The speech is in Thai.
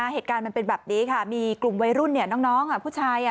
เหตุการณ์มันเป็นแบบนี้ค่ะมีกลุ่มวัยรุ่นน้องผู้ชาย